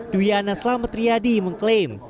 duyana slametriadi mengklaim